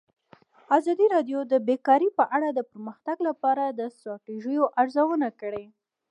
ازادي راډیو د بیکاري په اړه د پرمختګ لپاره د ستراتیژۍ ارزونه کړې.